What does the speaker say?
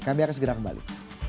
kami akan segera kembali